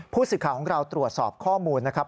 ผู้สื่อข่าวของเราตรวจสอบข้อมูลนะครับ